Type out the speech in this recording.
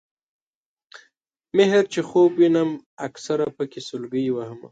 مِهر چې خوب وینم اکثر پکې سلګۍ وهمه